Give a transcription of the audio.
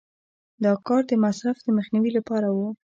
دا کار د مصرف د مخنیوي لپاره و.